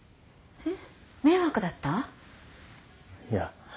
えっ？